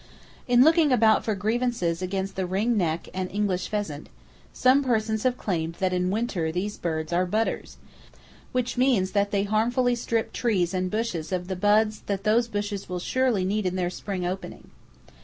In looking about for grievances against the ring necked and English pheasant, some persons have claimed that in winter these birds are "budders," which means that they harmfully strip trees and bushes of the buds that those bushes will surely need in their spring opening.